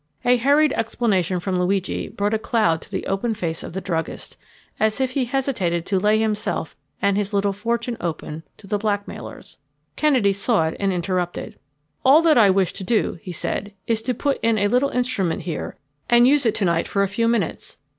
A hurried explanation from Luigi brought a cloud to the open face of the druggist, as if he hesitated to lay himself and his little fortune open to the blackmailers. Kennedy saw it and interrupted. "All that I wish to do," he said, "is to put in a little instrument here and use it to night for a few minutes.